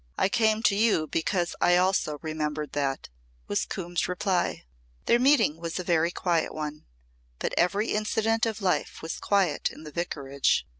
"I came to you because I also remembered that," was Coombe's reply. Their meeting was a very quiet one. But every incident of life was quiet in the Vicarage.